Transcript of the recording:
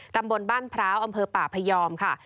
ตำบลบ้านพร้าวอำเภอป่าพยอมค่ะ